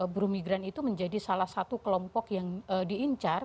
buru migran itu menjadi salah satu kelompok yang diincar